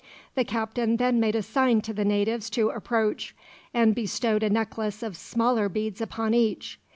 The captain then made a sign to the natives to approach, and bestowed a necklace of smaller beads upon each.